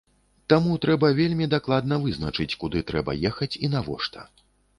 Таму трэба вельмі дакладна вызначаць, куды трэба ехаць і навошта.